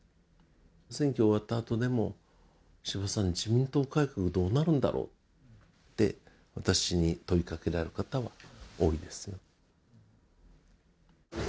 選挙終わったあとでも石破さん自民党改革どうなるんだろうって私に問いかけられる方は多いですよ